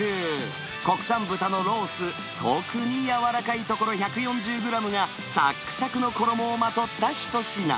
国産豚のロース、特に柔らかいところ１４０グラムが、さっくさくの衣をまとった一品。